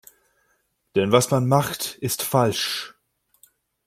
Denn was man macht, ist falsch.